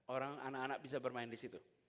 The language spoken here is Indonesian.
orang anak anak bisa bermain disitu